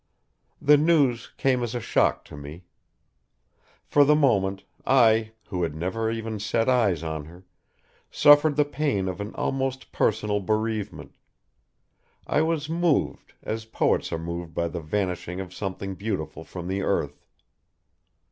The news came as a shock to me. For the moment I, who had never even set eyes on her, suffered the pain of an almost personal bereavement; I was moved, as poets are moved by the vanishing of something beautiful from the earth.